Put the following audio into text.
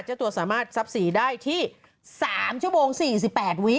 เจ้าตัวสามารถทรัพย์สีได้ที่๓ชั่วโมง๔๘วิ